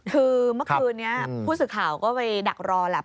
คือเมื่อคืนนี้ผู้สื่อข่าวก็ไปดักรอแหละ